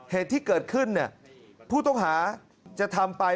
เหตุที่เกิดขึ้นผู้ต้องหาจะทำไป